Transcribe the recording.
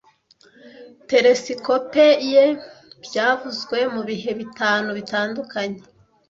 telesikope ye byavuzwe mu bihe bitanu bitandukanye